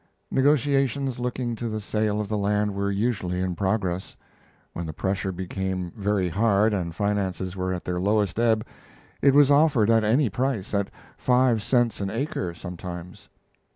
Negotiations looking to the sale of the land were usually in progress. When the pressure became very hard and finances were at their lowest ebb, it was offered at any price at five cents an acre, sometimes.